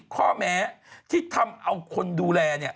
ข้อแม้ที่ทำเอาคนดูแล